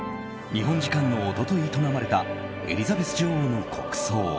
日本時間の一昨日営まれたエリザベス女王の国葬。